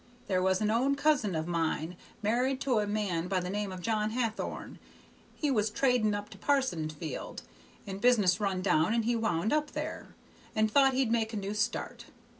There was an own cousin of mine married to a man by the name of John Hathorn. He was trading up to Parsonsfield, and business run down, so he wound up there, and thought he'd make a new start.